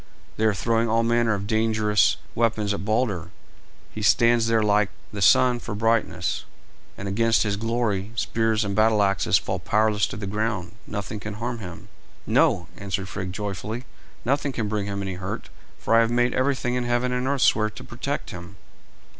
They are throwing all manner of dangerous weapons at Balder. He stands there like the sun for brightness, and against his glory, spears and battle axes fall powerless to the ground. Nothing can harm him." "No," answered Frigg joyfully; "nothing can bring him any hurt, for I have made everything in heaven and earth swear to protect him."